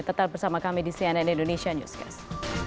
tetap bersama kami di cnn indonesia newscast